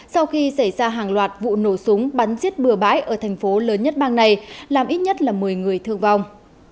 sau khi xảy ra hàng loạt vụ nổ súng bắn giết bừa bãi ở thành phố lớn nhất bang này làm ít nhất là một mươi người thương vong